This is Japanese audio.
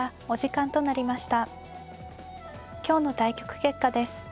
今日の対局結果です。